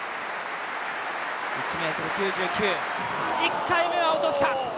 １ｍ９９、１回目は落とした。